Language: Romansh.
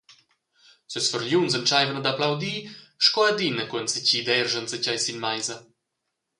Ses fargliuns entscheivan ad applaudir sco adina cu enzatgi derscha enzatgei sin meisa.